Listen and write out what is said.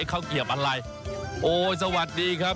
ข้าวเกียบอะไรโอ้สวัสดีครับ